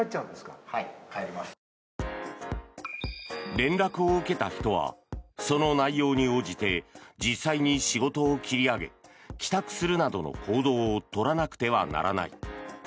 連絡を受けた人はその内容に応じて実際に仕事を切り上げ帰宅するなどの行動を取らなくてはならない。